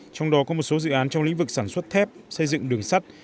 trong đó có một số dự án trong lĩnh vực sản xuất thép xây dựng đường sắt